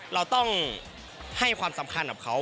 เราต้องให้ความสำคัญกับเขา